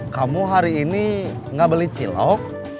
kamu hari ini nggak beli cilok